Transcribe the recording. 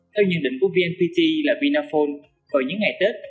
theo nhận định của vnpt là vinaphone vào những ngày tết